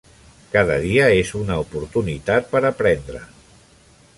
Cada dia és una oportunitat per aprendre.